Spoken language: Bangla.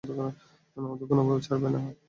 ওদের কোনভাবেই ছাড়বে না।